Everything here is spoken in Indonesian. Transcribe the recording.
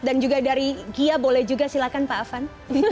dan juga dari gia boleh juga silahkan pak afan